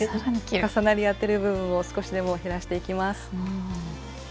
重なり合ってる部分を少しでも減らしていきます。